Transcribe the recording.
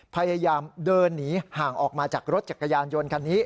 พยายามเดินหนีห่างออกมาจากรถจักรยานยนต์คันนี้